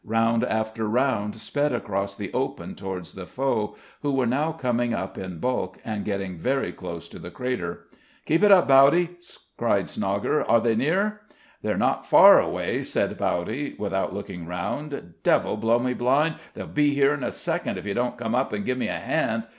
Round after round sped across the open towards the foe, who were now coming up in bulk and getting very close to the crater. "Keep it up, Bowdy!" cried Snogger. "Are they near?" "They're not far away," said Bowdy without looking round. "Devil blow me blind, they'll be here in a second if you don't come up and give me a hand....